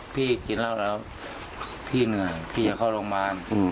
อ๋อพี่กินแล้วแล้วพี่เหนื่อยพี่จะเข้าโรงบาล